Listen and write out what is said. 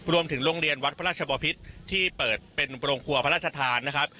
รวมถึงโรงเรียนวัดพระราชบอภิษฐ์ที่เปิดเป็นโปรงคัวร์พระราชฐานนะครับ